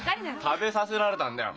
食べさせられたんだよ。